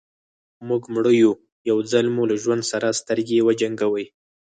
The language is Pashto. موږ مړه يو يو ځل مو له ژوند سره سترګې وجنګوئ.